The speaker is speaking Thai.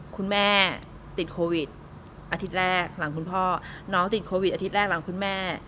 คุณแม่ติดโควิดอาทิตย์แรกหลังคุณพ่อน้องติดโควิดอาทิตย์แรกหลังคุณแม่